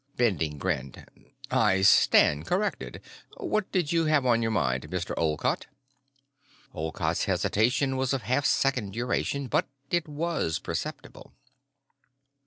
Bending grinned. "I stand corrected. What did you have on your mind, Mr. Olcott?" Olcott's hesitation was of half second duration, but it was perceptible.